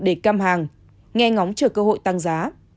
để cam hàng nghe ngóng chờ cơ hội tăng giá